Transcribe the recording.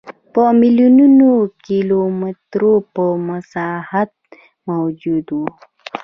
په میلیونونو کیلومترو په مساحت موجود و.